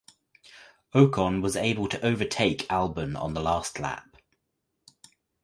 Ocon was able to overtake Albon on the last lap.